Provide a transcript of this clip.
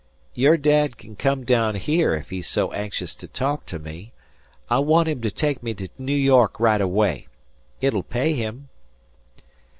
"Your dad can come down here if he's so anxious to talk to me. I want him to take me to New York right away. It'll pay him."